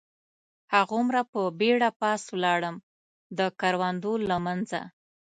هغومره په بېړه پاس ولاړم، د کروندو له منځه.